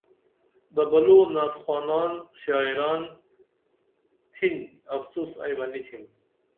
ببلو نعتخوان شاعران تِن افسوس ائی بہ نی تِھم